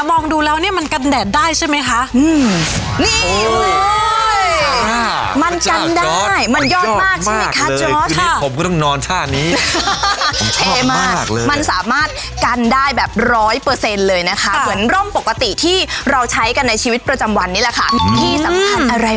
มองดูแล้วนี่มันกันแดดได้ใช่ไหมคะ